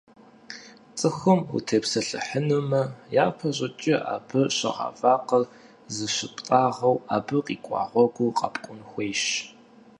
Цӏыхум утепсэлъыхьынумэ, япэщӏыкӏэ абы щыгъа вакъэр зылъыптӏагъэу, абы къикӏуа гъуэгур къэпкӏун хуейщ.